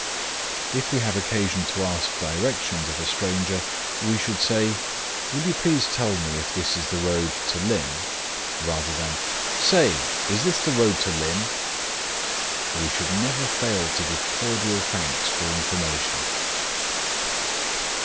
If we have occasion to ask directions of a stranger, we should say, "Will you please tell me if this is the road to Lynn?" rather than "Say! is this the road to Lynn?" We should never fail to give cordial thanks for information.